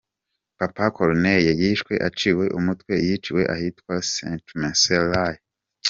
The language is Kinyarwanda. Papa Cornelius yishwe aciwe umutwe, yiciwe ahitwa Centumcellae.